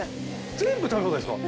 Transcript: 全部食べ放題ですか？